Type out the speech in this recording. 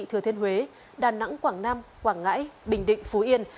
thừa thiên huế đà nẵng quảng nam quảng ngãi bình định phú yên